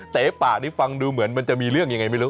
เต๋ปะนี่ฟังดูเหมือนมันจะมีเรื่องยังไงไม่รู้